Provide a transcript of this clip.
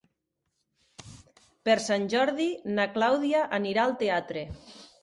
Per Sant Jordi na Clàudia anirà al teatre.